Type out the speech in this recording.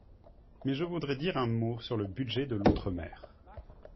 Mais je voudrais dire un mot sur le budget de l’outre-mer.